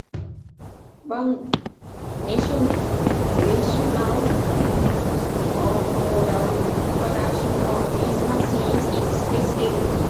One rationale for the production of these machines is space saving.